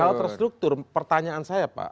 soal terstruktur pertanyaan saya pak